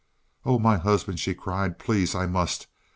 "Oh, my husband," she cried. "Please, I must.